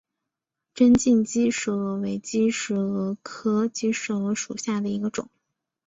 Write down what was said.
针茎姬石蛾为姬石蛾科姬石蛾属下的一个种。